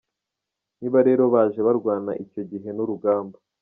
Niba rero baje barwana icyo gihe n’urugamba.